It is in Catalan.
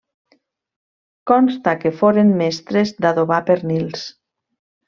Consta que foren mestres d'adobar pernils.